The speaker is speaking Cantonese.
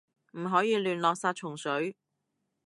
唔可以亂落殺蟲水